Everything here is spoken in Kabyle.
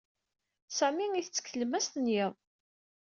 Sami isett deg tlemmast n yiḍ.